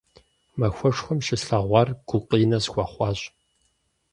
Махуэшхуэм щыслъэгъуар гукъинэ схуэхъуащ.